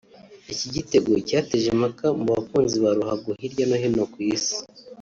Iki gitego cyateje impaka mu bakunzi ba ruhago hirya no hino ku isi